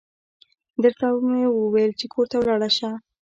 درته و مې ويل چې کور ته ولاړه شه.